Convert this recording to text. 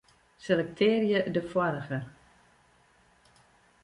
Selektearje de foarige.